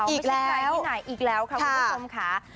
ไม่ใช่ใครที่ไหนอีกแล้วค่ะคุณสมครับ